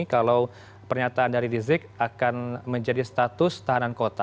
kalau pernyataan dari rizik akan menjadi status tahanan kota